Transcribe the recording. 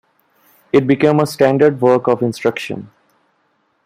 It became a standard work of instruction.